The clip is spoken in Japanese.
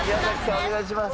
お願いします。